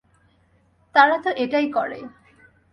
তারা তো এটাই করে।